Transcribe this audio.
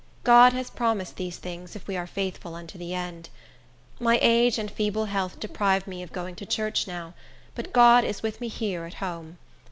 God has promised these things if we are faithful unto the end. My age and feeble health deprive me of going to church now; but God is with me here at home.